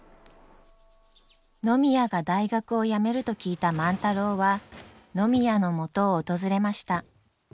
野宮が大学を辞めると聞いた万太郎は野宮のもとを訪れました。